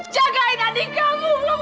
jagain adik kamu